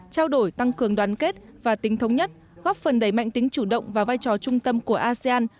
trao đổi tăng cường đoàn kết và tính thống nhất góp phần đẩy mạnh tính chủ động và vai trò trung tâm của asean